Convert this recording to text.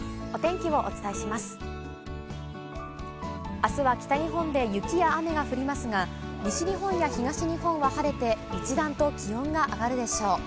あすは北日本で雪や雨が降りますが、西日本や東日本は晴れて一段と気温が上がるでしょう。